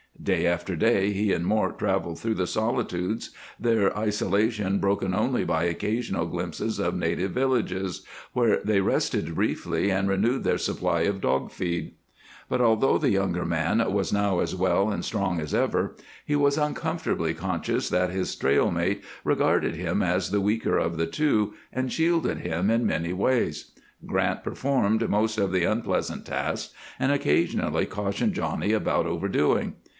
Day after day he and Mort traveled through the solitudes, their isolation broken only by occasional glimpses of native villages, where they rested briefly and renewed their supply of dog feed. But although the younger man was now as well and strong as ever, he was uncomfortably conscious that his trail mate regarded him as the weaker of the two and shielded him in many ways. Grant performed most of the unpleasant tasks, and occasionally cautioned Johnny about overdoing.